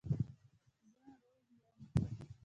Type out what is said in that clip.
زه روغ یم